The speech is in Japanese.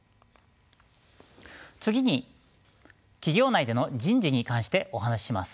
次に企業内での人事に関してお話しします。